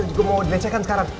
aku mau dilecehkan sekarang